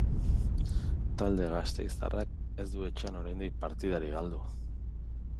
Talde gasteiztarrak ez du etxean oraindik partidarik galdu.